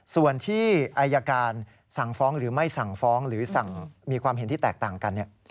ส่วนที่อายการสั่งฟ้องหรือไม่สั่งฟ้องหรือมีความเห็นที่แตกต่างกัน